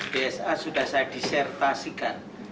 dsa sudah saya disertasikan